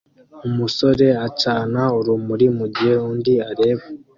Umusore acana urumuri mugihe undi areba